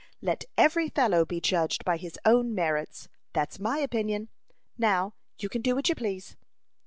Let every fellow be judged by his own merits. That's my opinion. Now you can do what you please."